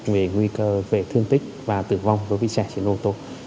về nguy cơ về thương tích và tử vong của vị trẻ trên ô tô